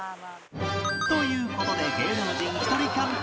という事で芸能人ひとりキャンプ